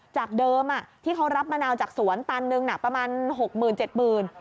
จากเดิมที่เขารับมะนาวจากสวนตันหนึ่งประมาณหกหมื่นเจ็ดหมื่น